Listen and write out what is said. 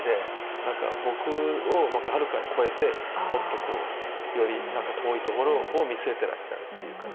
なんか僕をはるかに越えてもっとこうよりなんか遠いところを見据えてらっしゃるっていうかね。